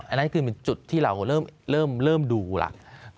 อันนั้นคือเป็นจุดที่เราเริ่มดูแล้ว